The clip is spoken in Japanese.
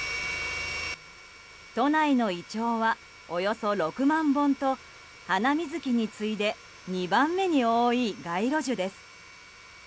都内のイチョウはおよそ６万本とハナミズキに次いで２番目に多い街路樹です。